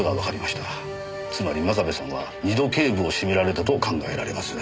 つまり真壁さんは２度頚部を絞められたと考えられます。